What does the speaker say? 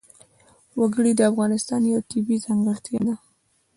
وګړي د افغانستان یوه طبیعي ځانګړتیا ده.